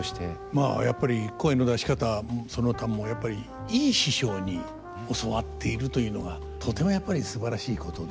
まあやっぱり声の出し方その他もやっぱりいい師匠に教わっているというのがとてもやっぱりすばらしいことで。